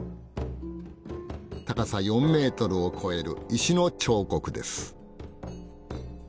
高さ４メートルを超える石の彫刻です。